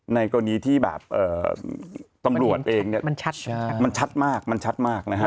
ในกรณีที่แบบตำรวจเองเนี่ยมันชัดมันชัดมากมันชัดมากนะฮะ